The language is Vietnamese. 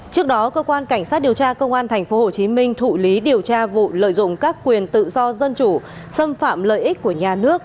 trước đó cơ quan cảnh sát điều tra công an tp hcm thụ lý điều tra vụ lợi dụng các quyền tự do dân chủ xâm phạm lợi ích của nhà nước